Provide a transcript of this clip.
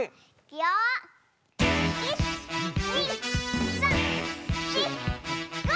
１２３４５！